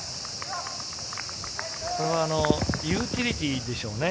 これはユーティリティーでしょうね。